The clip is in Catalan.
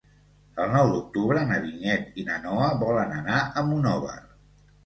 El nou d'octubre na Vinyet i na Noa volen anar a Monòver.